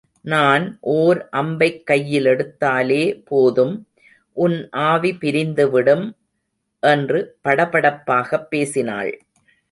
நான் ஓர் அம்பைக் கையிலெடுத்தாலே போதும், உன் ஆவி பிரிந்துவிடும்! என்று படபடப்பாகப் பேசினாள்.